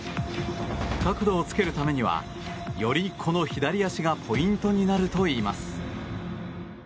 角度をつけるためにはよりこの左足がポイントになるといいます。